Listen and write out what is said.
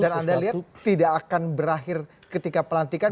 anda lihat tidak akan berakhir ketika pelantikan